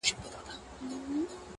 که منلی مي زندان وای -